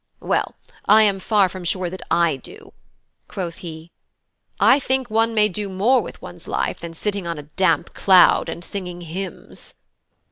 "Well, I am far from sure that I do," quoth he. "I think one may do more with one's life than sitting on a damp cloud and singing hymns."